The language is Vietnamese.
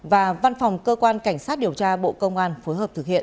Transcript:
và văn phòng cơ quan cảnh sát điều tra bộ công an phối hợp thực hiện